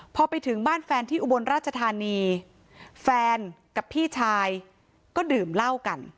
พอไปถึงบ้านแฟนที่อุบลราชธานีแฟนกับพี่ชายก็ดื่มเหล้ากัน